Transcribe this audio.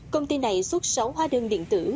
công ty này xuất sáu hóa đơn điện tử